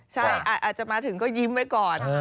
ใช่อาจจะมาถึงก็ยิ้มไว้ก่อน